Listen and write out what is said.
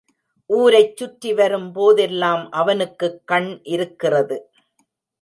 ஊரைச் சுற்றி வரும் போதெல்லாம் அவனுக்குக் கண் இருக்கிறது.